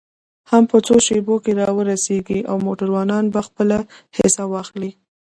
هم په څو شیبو کې را ورسېږي او موټروانان به خپله حصه واخلي.